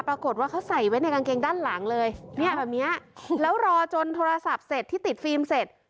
ปรากฏว่าเขาใส่ไว้ในกางเกงด้านหลังเลยเนี่ยแบบเนี้ยแล้วรอจนโทรศัพท์เสร็จที่ติดฟิล์มเสร็จ